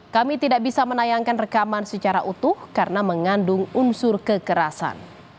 kami tidak bisa menayangkan rekaman secara utuh karena mengandung unsur kekerasan